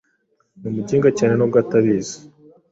N’umuginga cyane nubwo atabizi